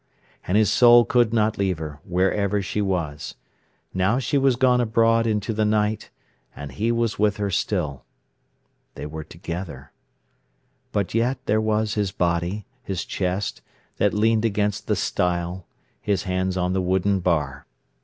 And his soul could not leave her, wherever she was. Now she was gone abroad into the night, and he was with her still. They were together. But yet there was his body, his chest, that leaned against the stile, his hands on the wooden bar.